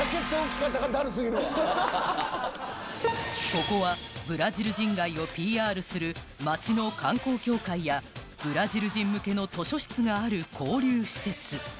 ここはブラジル人街をＰＲする町の観光協会やブラジル人向けの図書室がある交流施設